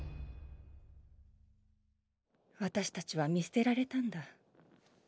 私たちは見捨てられたんだ。